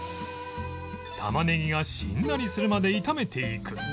タマネギがしんなりするまで炒めていく